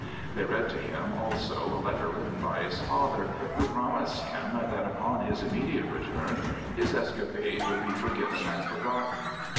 They read to him also a letter written by his father, who promised him that, upon his immediate return, his escapade would be forgiven and forgotten.